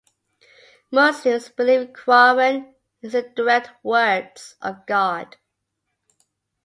Muslims believe Quran is the the direct words of God.